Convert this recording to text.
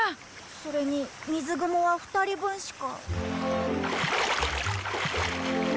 それに水蜘蛛は２人分しか。